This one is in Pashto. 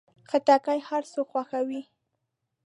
خټکی هر څوک خوښوي.